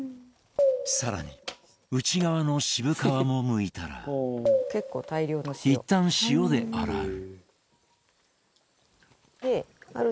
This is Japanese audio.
更に、内側の渋皮もむいたらいったん、塩で洗う。